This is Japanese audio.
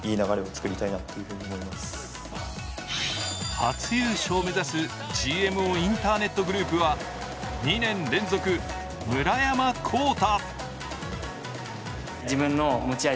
初優勝を目指すＧＭＯインターネットグループは、２年連続、村山紘太。